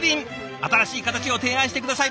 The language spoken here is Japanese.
新しい形を提案して下さいました。